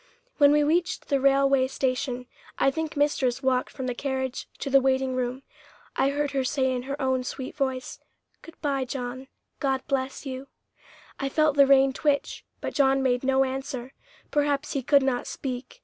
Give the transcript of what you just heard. When we reached the railway station, I think mistress walked from the carriage to the waiting room. I heard her say in her own sweet voice, "Good bye, John; God bless you." I felt the rein twitch, but John made no answer; perhaps he could not speak.